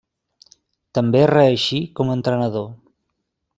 També reeixí com a entrenador.